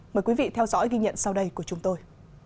mời quý vị theo dõi ghi nhận sau đây của chúng tôi